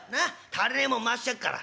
足りねえもん回してやっから。